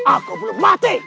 aku belum mati